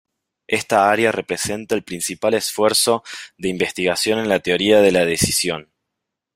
Esta área representa el principal esfuerzo de investigación en la teoría de la decisión.